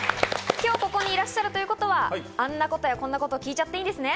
今日ここにいらっしゃるということは、あんなことやこんなこと聞いちゃっていいですね。